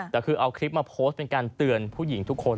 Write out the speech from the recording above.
แต่คือเอาคลิปมาโพสต์เป็นการเตือนผู้หญิงทุกคน